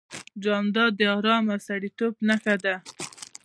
جانداد د ارام او سړیتوب نښه ده.